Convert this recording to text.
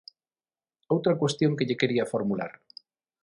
Outra cuestión que lle quería formular.